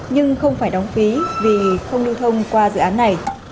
nhưng không phải đóng phí vì không lưu thông qua dự án này